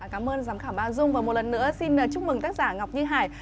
cảm ơn giám khảo ba dung và một lần nữa xin chúc mừng tác giả ngọc như hải